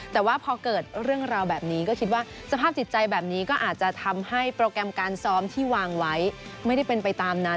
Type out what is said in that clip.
แต่ว่าพอเกิดเรื่องราวแบบนี้ก็คิดว่าสภาพจิตใจแบบนี้ก็อาจจะทำให้โปรแกรมการซ้อมที่วางไว้ไม่ได้เป็นไปตามนั้น